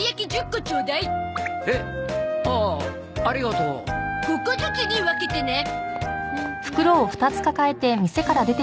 ５個ずつに分けてね。